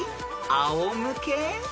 あお向け？］